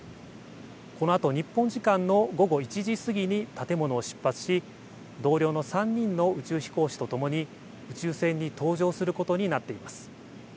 このあと日本時間の午後１時過ぎに建物を出発し同僚の３人の宇宙飛行士とともに宇宙船に搭乗することになっています。